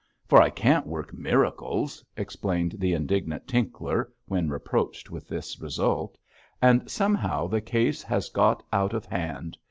'For I can't work miracles,' explained the indignant Tinkler, when reproached with this result, 'and somehow the case has got out of hand.